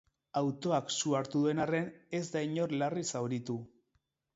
Autoak su hartu duen arren, ez da inor larri zauritu.